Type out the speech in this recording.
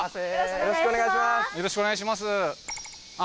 よろしくお願いします